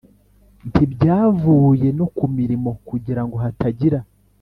Ntibyavuye no ku mirimo kugira ngo hatagira